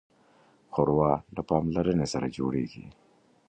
ښوروا له پاملرنې سره جوړیږي.